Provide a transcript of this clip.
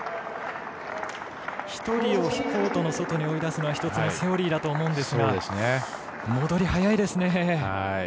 １人をコートに追い出すのはセオリーだと思うんですが戻り、早いですね。